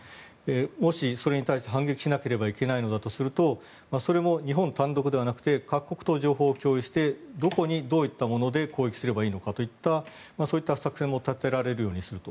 もしそれに対して反撃しなければいけないとするとそれも日本単独ではなくて各国と情報を共有してどこにどういったもので攻撃すればいいのかといったそういった作戦も立てられるようにすると。